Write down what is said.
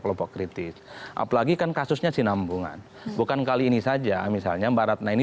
kelompok kritis apalagi kan kasusnya sinambungan bukan kali ini saja misalnya mbak ratna ini